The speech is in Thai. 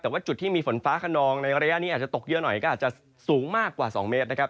แต่ว่าจุดที่มีฝนฟ้าขนองในระยะนี้อาจจะตกเยอะหน่อยก็อาจจะสูงมากกว่า๒เมตรนะครับ